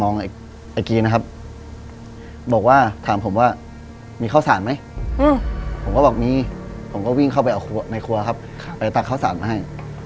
ในครัวครับไปตักข้าวสารมาให้